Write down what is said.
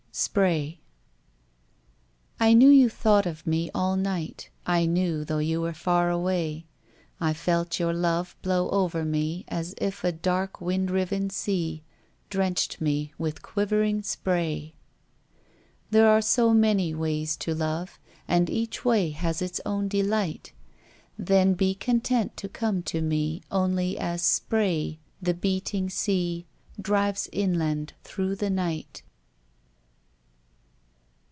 Spray I knew you thought of me all night, I knew, though you were far away; I felt your love blow over me As if a dark wind riven sea Drenched me with quivering spray. There are so many ways to love And each way has its own delight Then be content to come to me Only as spray the beating sea Drives inland through the night.